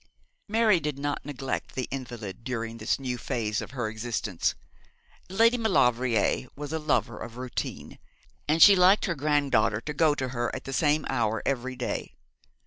Mary did not neglect the invalid during this new phase of her existence. Lady Maulevrier was a lover of routine, and she liked her granddaughter to go to her at the same hour every day.